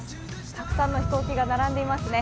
たくさんの飛行機が並んでいますね。